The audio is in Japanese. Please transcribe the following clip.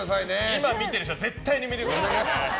今、見てる人は絶対に見てください。